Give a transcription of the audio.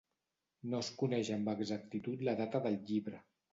No es coneix amb exactitud la data del llibre.